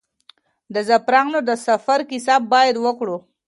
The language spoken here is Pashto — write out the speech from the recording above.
د زعفرانو د سفر کیسه باید وکړو.